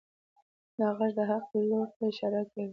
دا غږ د حق لور ته اشاره کوي.